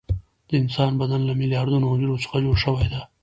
د انسان بدن له میلیاردونو حجرو څخه جوړ شوى ده.